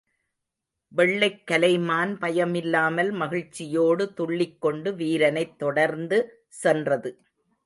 வெள்ளைக் கலைமான் பயமில்லாமல் மகிழ்ச்சியோடு துள்ளிக் கொண்டு வீரனைத் தொடர்ந்து சென்றது.